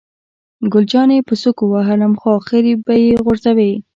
ګل جانې په سوک ووهلم، خو آخر به یې غورځوي.